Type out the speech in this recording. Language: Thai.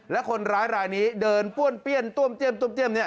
และคนร้ายนี้เดินป้วนเปี้ยนต้มเตี้ยมเนี่ย